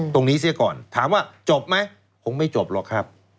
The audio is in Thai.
เสียก่อนถามว่าจบไหมคงไม่จบหรอกครับ